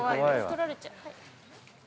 ◆取られちゃう。